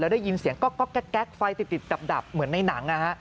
ได้ยินเสียงก๊อกไฟติดดับเหมือนในหนัง